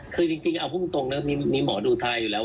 คือจริงเอาพูดตรงนะมีหมอดูทายอยู่แล้ว